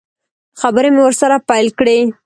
خبرې مې ورسره پیل کړې.